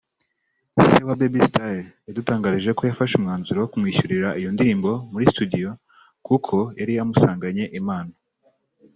Se wa Baby Style yadutangarije ko yafashe umwanzuro wo kumwishyurira iyo ndirimbo muri studio kuko yari amusanganye impano